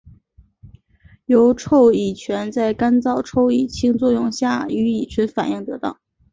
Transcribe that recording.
由溴乙醛在干燥溴化氢作用下与乙醇反应得到。